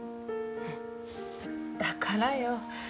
だからよ。